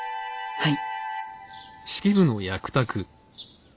はい。